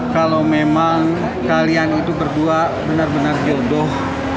kalau memang kalian itu berdua benar benar jodoh